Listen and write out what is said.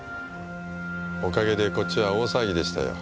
おかげでこっちは大騒ぎでしたよ。